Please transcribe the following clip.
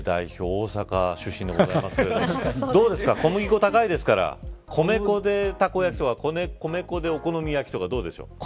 大阪でございますけれどもどうですか小麦粉、高いですから米粉でたこ焼きとかお好み焼きとか、どうですか。